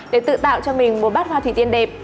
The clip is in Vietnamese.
để tự tạo cho mình một bát hoa kỳ tiên đẹp